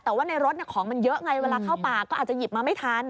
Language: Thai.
แต่ว่าในรถของมันเยอะไงเวลาเข้าป่าก็อาจจะหยิบมาไม่ทัน